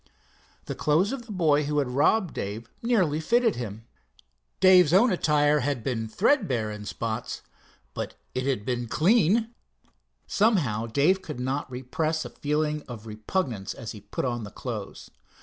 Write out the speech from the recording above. The clothes of the boy who had robbed Dave very nearly fitted him. Dave's own attire had been threadbare in spots, but it had been clean. Somehow, Dave could not repress a feeling of repugnance as he put on the clothes.